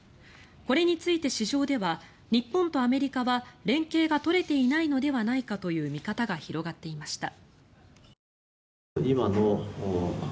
これについて市場では日本とアメリカは連携が取れていないのではないかという見方が広がっていました。